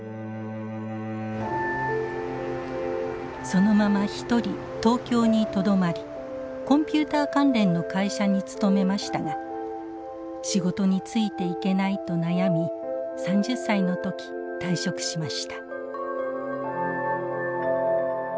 そのまま一人東京にとどまりコンピューター関連の会社に勤めましたが仕事についていけないと悩み３０歳のとき退職しました。